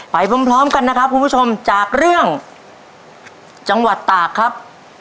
ไปพร้อมกันนะครับคุณผู้ชมจากเรื่องจังหวัดตากครับ